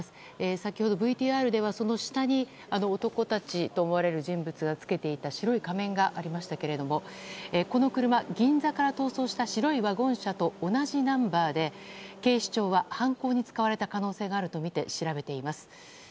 先ほどＶＴＲでは、その下に男たちと思われる人物たちが着けていた白い仮面がありましたがこの車、銀座から逃走した白いワゴン車と同じナンバーで警視庁は犯行に使われた可能性があるとみて調べています。